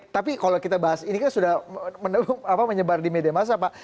tapi kalau kita bahas ini kan sudah menyebar di media masa pak